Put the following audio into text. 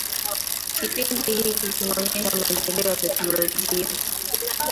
kipindi hiki kinaonyesha maendeleo ya teknolojia